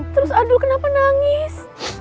terus adul kenapa nangis